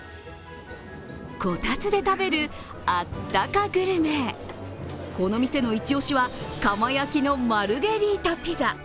こたつで食べる、あったかグルメこの店のイチ押しは、窯焼きのマルゲリータピザ。